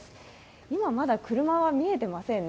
今、まだ車は見えてませんね。